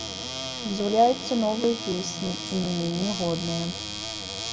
З'яўляюцца новыя песні, і не меней годныя.